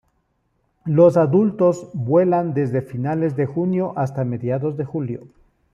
Los adultos vuelan desde finales de junio hasta mediados de julio.